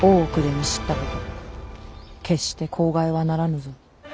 決して口外はならぬぞ。